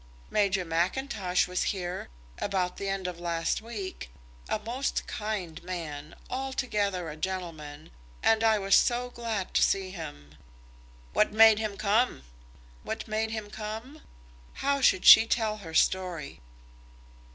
"Major Mackintosh was here, about the end of last week, a most kind man, altogether a gentleman, and I was so glad to see him." "What made him come?" "What made him come?" How should she tell her story?